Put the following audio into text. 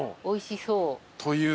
おいしそう。